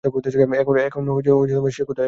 এখন সে কোথায়?